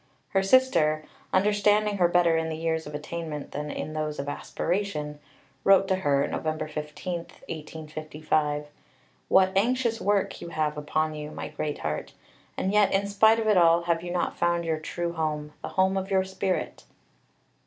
Her sister, understanding her better in the years of attainment than in those of aspiration, wrote to her (Nov. 15, 1855): "What anxious work you have upon you, my Greatheart, and yet in spite of it all have you not found your true home the home of your spirit?"